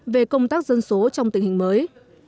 về công tác dân số trong tình hình mới